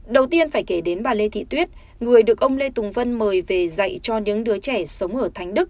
đầu tiên phải kể đến bà lê thị tuyết người được ông lê tùng vân mời về dạy cho những đứa trẻ sống ở thánh đức